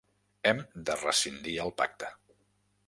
Hem de rescindir el pacte.